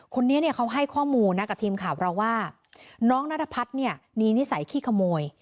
คนนี้เนี่ยเขาให้ข้อมูลนะกับทีมข่าวเราว่าน้องนัทพัฒน์เนี่ยมีนิสัยขี้ขโมย